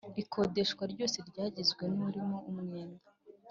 Ikodesha ryose ryagizwe n urimo umwenda